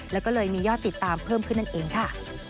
แล้วก็เลยมียอดติดตามเพิ่มขึ้นนั่นเองค่ะ